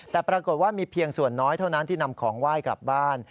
แต่ปรากฏว่ามีเพียงส่วนน้อยเท่านั้นที่นำของไหว้กลับบ้าน